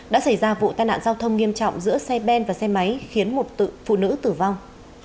đã xảy ra vụ tai nạn giao thông nghiêm trọng giữa xe ben và xe máy khiến một phụ nữ tử vong